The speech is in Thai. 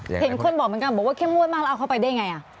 เห็นคนบอกเหมือนกันบอกว่าเข้มงวดมากแล้วเอาเข้าไปได้ไง